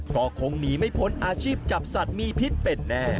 ก็คงหนีไม่พ้นอาชีพจับสัตว์มีพิษเป็นแน่